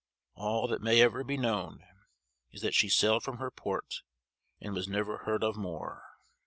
All that may ever be known, is that she sailed from her port, "and was never heard of more!"